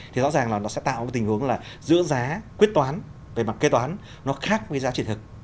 thì rõ ràng là nó sẽ tạo cái tình huống là giữa giá quyết toán về mặt kế toán nó khác với giá trị thực